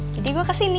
jadi gue kesini